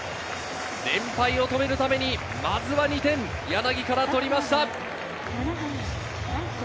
連敗を止めるためにまずは２点、柳から取りました。